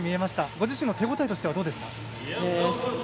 ご自身の手応えとしてはどうですか？